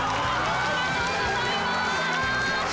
おめでとうございます。